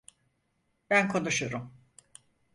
Ben konuşurum.